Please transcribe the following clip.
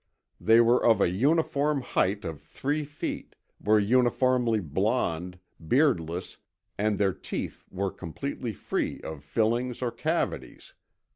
They were of a uniform height of three feet, were uniformly blond, beardless, and their teeth were completely free of fillings or cavities.